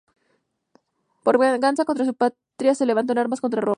Por venganza contra su patria los levantó en armas contra Roma.